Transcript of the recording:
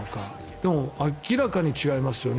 でも、明らかに違いますよね。